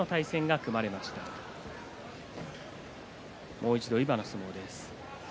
もう一度、今の相撲です。